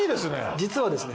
実はですね